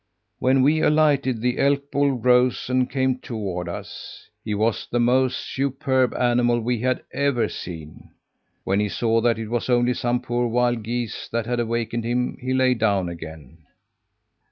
"When we alighted, the elk bull rose and came toward us. He was the most superb animal we had ever seen. When he saw that it was only some poor wild geese that had awakened him, he lay down again.